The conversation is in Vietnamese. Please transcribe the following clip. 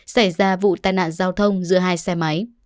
xảy ra vụ tai nạn giao thông giữa hai xe máy